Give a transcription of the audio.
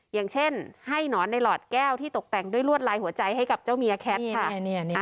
อย่างเช่นให้หนอนในหลอดแก้วที่ตกแต่งด้วยลวดลายหัวใจให้กับเจ้าเมียแคทค่ะ